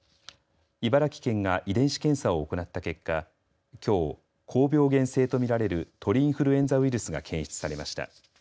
茨城県が遺伝子検査を行った結果高病原性と見られる鳥インフルエンザウイルスが検出されました。